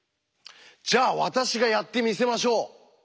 じゃあ私がやってみせましょう。